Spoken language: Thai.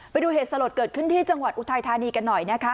ไปดูเหตุสลดเกิดขึ้นที่จังหวัดอุทัยธานีกันหน่อยนะคะ